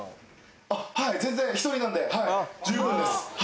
あっはい全然１人なんではい十分です。